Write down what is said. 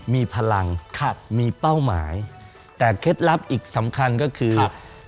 มีพลังมีเป้าหมายแต่เคล็ดลับอีกสำคัญก็คือ